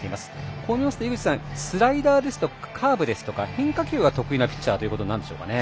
こう見ますと、スライダーやカーブですとか変化球は得意なピッチャーということになりますかね。